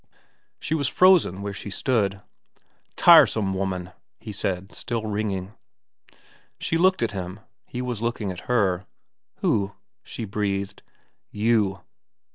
She was frozen where she stood. XIX VERA 211 ' Tiresome woman,' he said, still ringing. She looked at him. He was looking at her. ' Who ?' she breathed. ' You.'